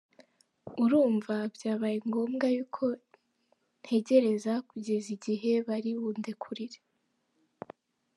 Urumva byabaye ngombwa y’uko negereza kugeza igihe bari bundekurire.